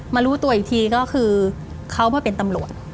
รู้ตัวอีกทีก็คือเขามาเป็นตำรวจ